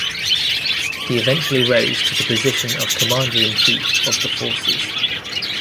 He eventually rose to the position of Commander-in-Chief of the Forces.